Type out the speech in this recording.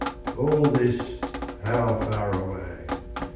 All this, how far away